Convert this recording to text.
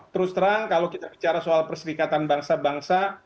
terus terang kalau kita bicara soal perserikatan bangsa bangsa